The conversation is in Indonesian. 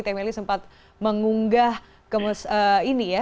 teh meli sempat mengunggah ini ya